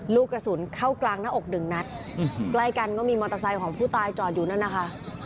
ลูกกระสุนเข้ากลางหน้าอกหนึ่งนัดใกล้กันก็มีมอเตอร์ไซค์ของผู้ตายจอดอยู่นั่นนะคะ